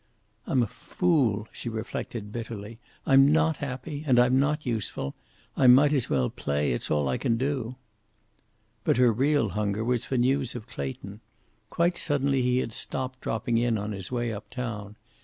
"I'm a fool," she reflected bitterly. "I'm not happy, and I'm not useful. I might as well play. It's all I can do." But her real hunger was for news of Clayton. Quite suddenly he had stopped dropping in on his way up town.